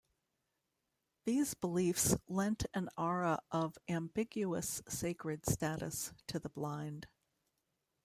These beliefs lent an aura of "ambiguous sacred status" to the blind.